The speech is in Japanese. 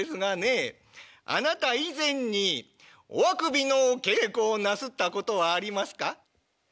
あなた以前におあくびの稽古をなすったことはありますか？」。